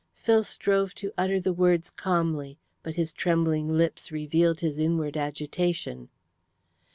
Phil strove to utter the words calmly, but his trembling lips revealed his inward agitation.